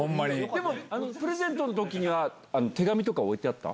でもプレゼントのときには、手紙とか置いてあった？